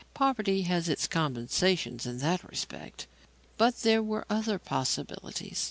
Poverty has its compensations in that respect. But there were other possibilities.